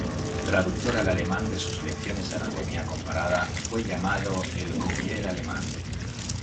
Traductor al alemán de sus "Lecciones de Anatomía Comparada", fue llamado el "Cuvier alemán".